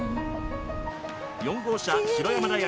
４号車白山大学